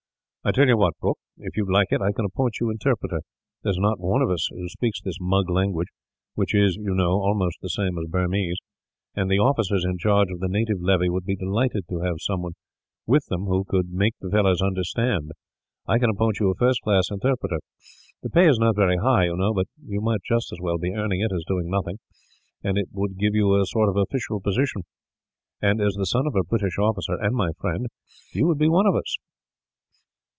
"I tell you what, Brooke, if you would like it, I can appoint you interpreter. There is not one of us who speaks this Mug language which is, you know, almost the same as Burmese and the officers in charge of the native levy would be delighted to have some one with them who could make the fellows understand. I can appoint you a first class interpreter. The pay is not very high, you know; but you might just as well be earning it as doing nothing, and it would give you a sort of official position and, as the son of a British officer, and my friend, you would be one of us."